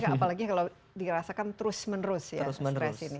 apalagi kalau dirasakan terus menerus ya stres ini